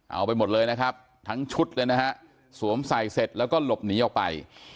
เอาไปหมดเลยนะครับทั้งชุดเลยนะฮะสวมใส่เสร็จแล้วก็หลบหนีออกไป